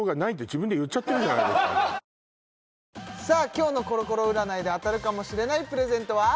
今日のコロコロ占いで当たるかもしれないプレゼントは？